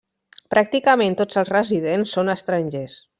Pràcticament tots els residents són estrangers.